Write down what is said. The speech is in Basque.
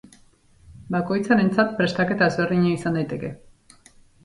Bakoitzarentzat prestaketa ezberdina izan daiteke.